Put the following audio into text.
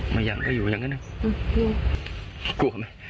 ไม่อยากก็อยู่อย่างนั้นนะ